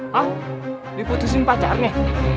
hah diputusin pacarnya